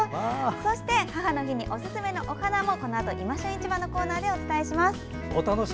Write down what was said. そして母の日におすすめのお花も「いま旬市場」のコーナーでご紹介します。